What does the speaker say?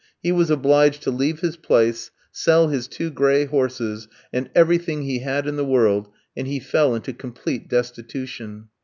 He was obliged to leave his place, sell his two gray horses, and everything he had in the world; and he fell into complete destitution.